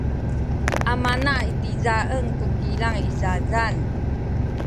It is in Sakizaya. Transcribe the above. amana itizaen ku kilang i zazan.